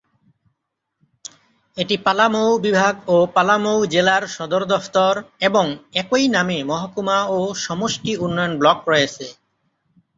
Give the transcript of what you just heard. এটি পালামৌ বিভাগ ও পালামৌ জেলার সদর দফতর এবং একই নামে মহকুমা ও সমষ্টি উন্নয়ন ব্লক রয়েছে।